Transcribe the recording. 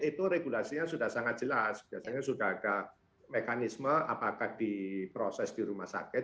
itu regulasinya sudah sangat jelas biasanya sudah ada mekanisme apakah diproses di rumah sakit